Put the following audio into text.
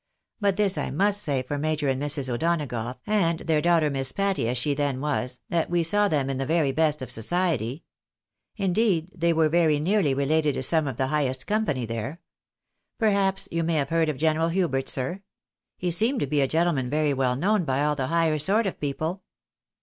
But this I must say for Major and Mrs. O'Donagough, and their daughter Miss Patty as she then was, that we saw them in the very best of society. Indeed they were very nearly related to some of the highest company there. Perhaps you may have heard of General Hubert, sir? He seemed to be a gentleman very well known by all the higher sort of people."